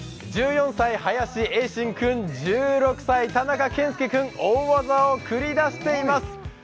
１４歳、林映心君、１６歳、田中健介君大技を繰り出しています。